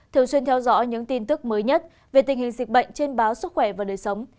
thường xuyên theo dõi những tin tức mới nhất về tình hình dịch bệnh trên báo sức khỏe và đời sống